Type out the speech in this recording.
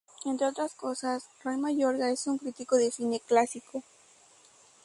Entre otras cosas, Roy Mayorga es un crítico de cine clásico.